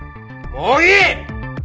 もういい！